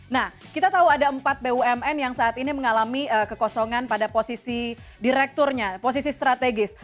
nah kita tahu ada empat bumn yang saat ini mengalami kekosongan pada posisi direkturnya posisi strategis